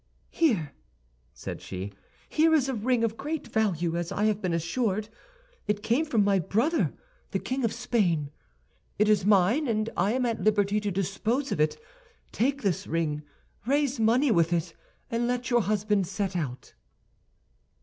"Here," said she, "here is a ring of great value, as I have been assured. It came from my brother, the King of Spain. It is mine, and I am at liberty to dispose of it. Take this ring; raise money with it, and let your husband set out."